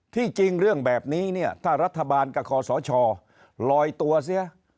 จริงเรื่องแบบนี้เนี่ยถ้ารัฐบาลกับคอสชลอยตัวเสีย